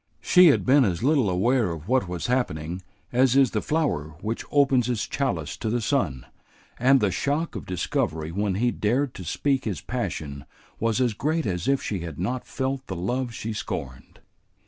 She had been as little aware of what was happening as is the flower which opens its chalice to the sun, and the shock of discovery when he dared to speak his passion was as great as if she had not felt the love she scorned.